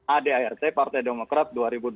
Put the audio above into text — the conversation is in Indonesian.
adart partai demokrat dua ribu dua puluh